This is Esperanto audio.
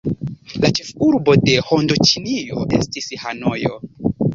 La ĉefurbo de Hindoĉinio estis Hanojo.